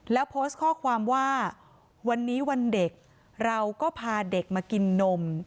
แล้วโพสต์ข้อความว่าวันนี้วันเด็กเราก็พาเด็กมากินนม